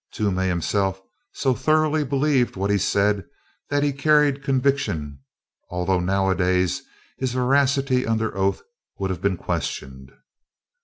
Toomey himself so thoroughly believed what he said that he carried conviction, although nowadays his veracity under oath would have been questioned.